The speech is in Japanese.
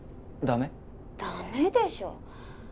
ダメでしょ